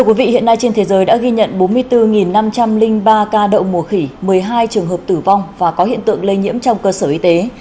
một trăm bốn mươi bốn năm trăm linh ba ca đậu mùa khỉ một mươi hai trường hợp tử vong và có hiện tượng lây nhiễm trong cơ sở y tế